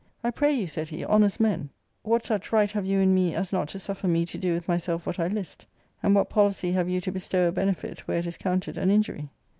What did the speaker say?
"I pray you,'* said he, "honest men, what •such right have you in me as not to suffer me to do with Myself .what I list ; and what policy have you to bestow a /'benefit where it is counted an injury